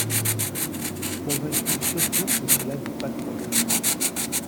Convaincu surtout que cela n’est pas croyable !